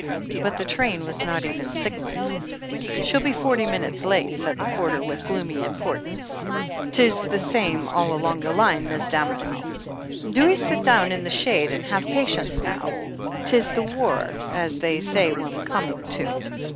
But the train was not even signalled. "She'll be forty minutes late," said the porter with gloomy importance. " 'Tis the same all along the line. Mis' Damerel. Do 'ee sit down in the shade and have patience, now. 'Tis this war, as they say we'm coming to."